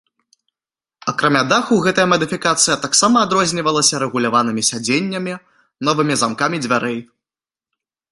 Акрамя даху, гэтая мадыфікацыя таксама адрознівалася рэгуляванымі сядзеннямі, новымі замкамі дзвярэй.